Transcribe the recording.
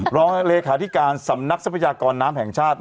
รองเลขาธิการสำนักทรัพยากรน้ำแห่งชาติ